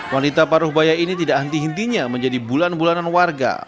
wanita paruh baya ini tidak henti hentinya menjadi bulan bulanan warga